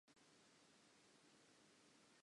Mosadi le bana ba ne ba thabile haholo.